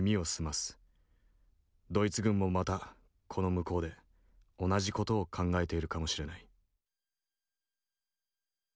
ドイツ軍もまたこの向こうで同じ事を考えているかもしれない。